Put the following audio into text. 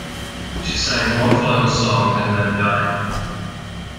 She sang one final song and then died.